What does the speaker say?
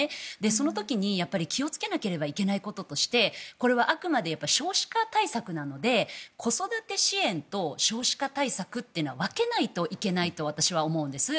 その時に、やっぱり気をつけなければいけないこととしてこれはあくまで少子化対策なので子育て支援と少子化対策というのは分けないといけないと私は思うんです。